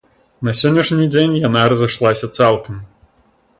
На сённяшні дзень яна разышлася цалкам.